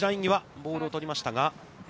ボールをとりましたが。